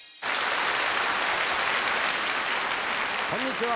こんにちは。